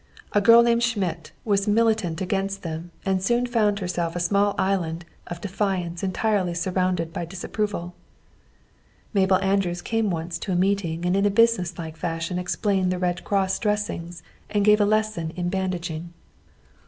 A girl named Schmidt was militant against them and soon found herself a small island of defiance entirely surrounded by disapproval. Mabel Andrews came once to a meeting and in businesslike fashion explained the Red Cross dressings and gave a lesson in bandaging.